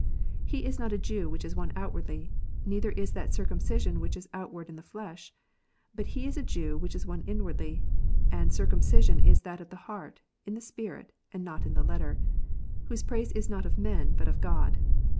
"He is not a Jew which is one outwardly ; neither is that circumcision which is out ward in the flesh : but he is a Jew which is one inwardly ; and circumcision is that of the heart, in the spirit, and not in the letter; whose praise is not of men, but of God."